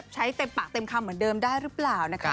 เต็มปากเต็มคำเหมือนเดิมได้หรือเปล่านะคะ